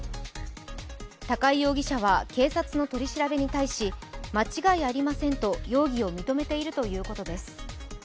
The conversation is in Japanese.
高井容疑者は警察の取り調べに対し間違いありませんと容疑を認めているということです。